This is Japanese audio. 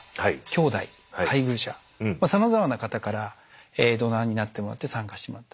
さまざまな方からドナーになってもらって参加してもらった。